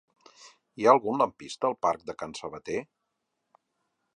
Hi ha algun lampista al parc de Can Sabater?